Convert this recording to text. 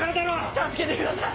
助けてください！